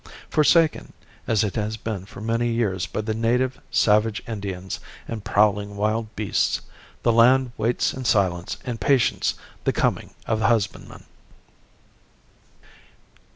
Forsaken as it has been for many years by the native savage Indians and prowling wild beasts, the land waits in silence and patience the coming of the husbandman.